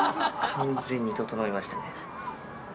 完全に、ととのいましたね。